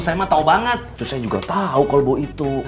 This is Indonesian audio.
saya juga tahu kalau bawa itu